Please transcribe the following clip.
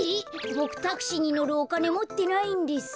ボクタクシーにのるおかねもってないんです。